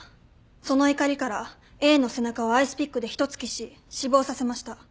その怒りからＡの背中をアイスピックで一突きし死亡させました。